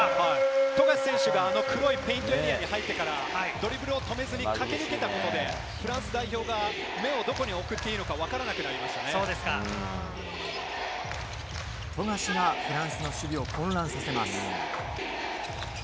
富樫選手が黒いペイントエリアに入ってからドリブルを止めずに駆け抜けたことでフランス代表が目をどこに送っていいのか分からなくなりましたね。